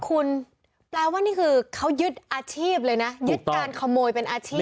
คุณแปลว่านี่คือเขายึดอาชีพเลยนะยึดการขโมยเป็นอาชีพ